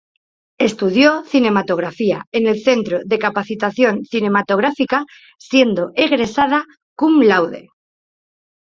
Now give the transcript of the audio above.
Estudió cinematografía en el Centro de Capacitación Cinematográfica, siendo egresada Cum Laude.